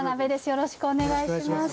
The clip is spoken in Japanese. よろしくお願いします。